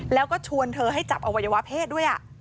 แล้วก็ชวนเธอให้จับอวัยวะเพศด้วย